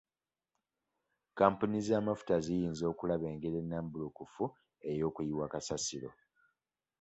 Kampuni z'amafuta ziyina okulaba engeri ennambulukufu ey'okuyiwa kasasiro.